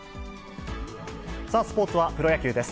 スポーツはプロ野球です。